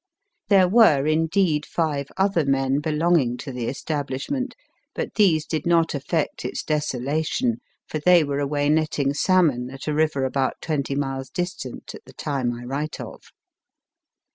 There were, indeed, five other men belonging to the establishment, but these did not affect its desolation, for they were away netting salmon at a river about twenty miles distant at the time I write of.